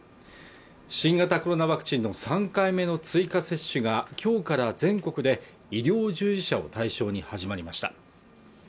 新型コロナワクチンの３回目の追加接種がきょうから全国で医療従事者を対象に始まりました